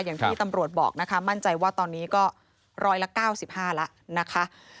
อย่างที่ตำรวจบอกนะคะมั่นใจว่าตอนนี้ก็ร้อยละ๙๕แล้วนะคะ